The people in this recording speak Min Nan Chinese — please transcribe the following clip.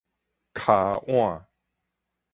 跤腕